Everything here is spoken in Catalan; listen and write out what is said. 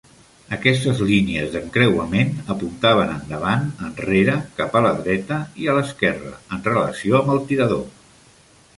Aquestes línies d'encreuament apuntaven endavant, enrere, cap a la dreta i a l'esquerra, en relació amb el tirador.